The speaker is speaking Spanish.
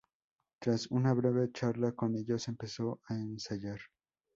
Tras una breve charla con ellos empezó a ensayar.